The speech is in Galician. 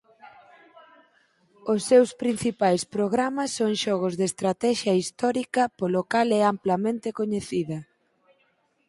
Os seus principais programas son xogos de estratexia histórica polo cal é amplamente coñecida.